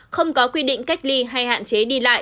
không có quy định cách ly hay hạn chế đi lại